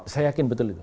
saya yakin betul itu